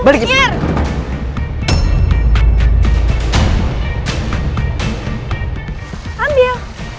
saya udah dapetin semuanya